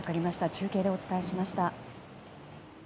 中継でお伝えしました。